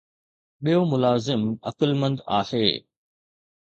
ٻيو ملازم عقلمند آهي